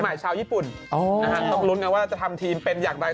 ชาวญี่ปุ่นต้องลุ้นกันว่าจะทำทีมเป็นอย่างไร